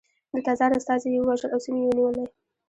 د تزار استازي یې ووژل او سیمې یې ونیولې.